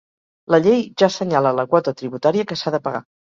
La llei ja senyala la quota tributària que s'ha de pagar